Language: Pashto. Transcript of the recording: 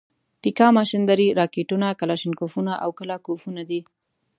پیکا ماشیندارې، راکېټونه، کلاشینکوفونه او کله کوفونه دي.